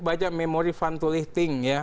baca memori van tulli ting ya